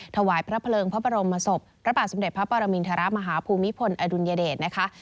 ถวายพระเพลิงพระบรมศพพระบาทสมเด็จพระปรมินทรมาฮภูมิพลอดุลยเดชนะคะ